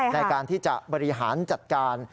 ในการที่จะบริหารจัดการ